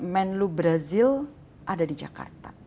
menlo brazil ada di jakarta